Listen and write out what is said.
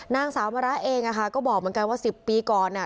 นางสาวมะระเองอะค่ะก็บอกเหมือนกันว่า๑๐ปีก่อนอ่ะ